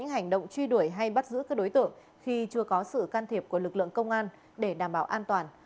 hành động truy đuổi hay bắt giữ các đối tượng khi chưa có sự can thiệp của lực lượng công an để đảm bảo an toàn